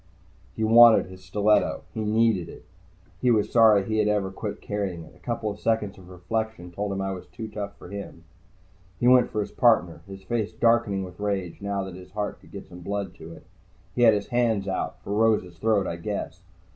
He wanted his stiletto. He needed it. He was sorry he had ever quit carrying it. A couple seconds of reflection told him I was too tough for him. He went for his partner, his face darkening with rage now that his heart could get some blood to it. He had his hands out, for Rose's throat, I guess.